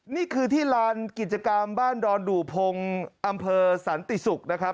นี่คือที่ลานกิจกรรมบ้านดอนดู่พงศ์อำเภอสันติศุกร์นะครับ